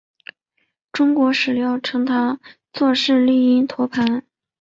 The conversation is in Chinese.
中国史料称他作释利因陀盘。